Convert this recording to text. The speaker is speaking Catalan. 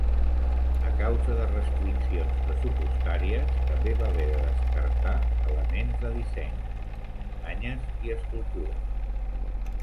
A causa de restriccions pressupostàries, també va haver de descartar elements de disseny: muntanyes i escultures.